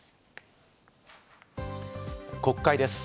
国会です。